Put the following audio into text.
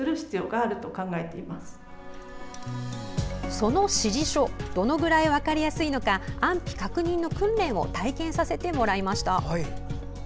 その指示書どのぐらい分かりやすいのか安否確認の訓練を体験させてもらいました。